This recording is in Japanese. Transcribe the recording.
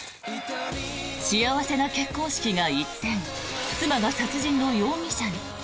幸せな結婚式が一転妻が殺人の容疑者に。